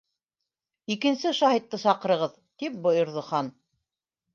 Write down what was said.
—Икенсе шаһитты саҡырығыҙ, —тип бойорҙо Хан.